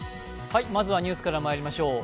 まずはニュースからまいりましょう。